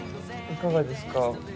いかがですか？